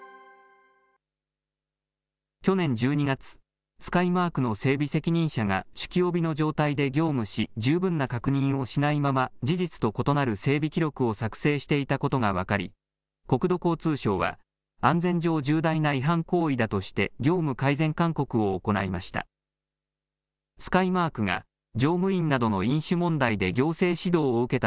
去年１２月、スカイマークの整備責任者が酒気帯びの状態で業務し、十分な確認をしないまま事実と異なる整備記録を作成していたことが分かり、国土交通省は、安全上重大な違反行為だとして、業務改善勧告を行いました。